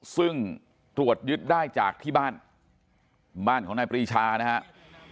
ซึ่งตรวจยึดได้จากที่บ้านบ้านของนายปรีชานะครับ